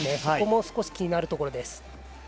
そこも少し気になるところです。